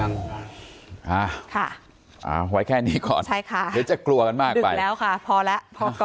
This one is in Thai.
อ่าไว้แค่นี้ก่อนเดี๋ยวจะกลัวกันมากไป